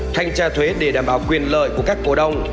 thanh tra thuế để đảm bảo quyền lợi của các cổ đông